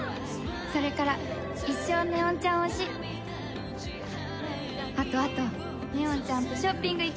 「それから一生祢音ちゃん推し」「あとあと祢音ちゃんとショッピング行きたい！」